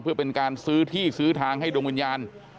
เพื่อเป็นการซื้อที่ซื้อทางให้ดวงวิญญาณ